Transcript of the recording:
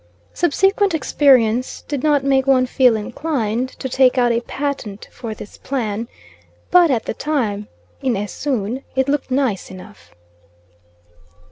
Subsequent experience did not make one feel inclined to take out a patent for this plan, but at the time in Esoon it looked nice enough.